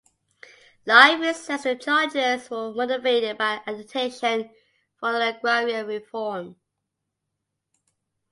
Livy says the charges were motivated by agitation for agrarian reform.